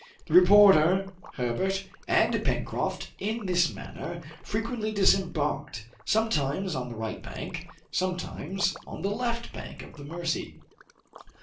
The reporter, Herbert, and Pencroft in this manner frequently disembarked, sometimes on the right bank, sometimes on the left bank of the Mercy.